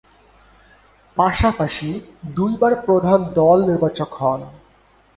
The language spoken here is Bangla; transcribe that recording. পাশাপাশি, দুইবার প্রধান দল নির্বাচক হন।